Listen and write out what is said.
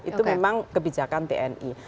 itu memang kebijakan tni